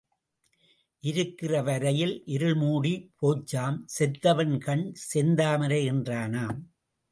இருக்கிற வரையில் இருள் மூடிச் போச்சாம் செத்தவன் கண் செந்தாமரை என்றானாம்.